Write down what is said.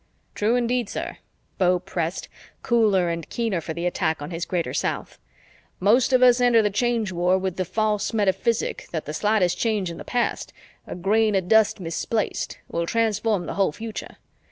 "True indeed, sir," Beau pressed, cooler and keener for the attack on his Greater South. "Most of us enter the Change World with the false metaphysic that the slightest change in the past a grain of dust misplaced will transform the whole future.